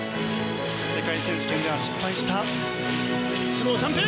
世界選手権では失敗したスロージャンプ。